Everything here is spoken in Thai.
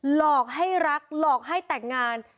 หลอกให้รักหลอกให้แต่งงาน